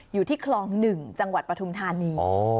อยู่ที่คลอง๑จังหวัดปฐุมธานี